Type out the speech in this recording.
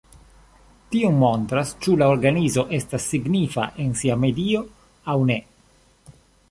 Tio montras ĉu la organizo estas signifa en sia medio aŭ ne.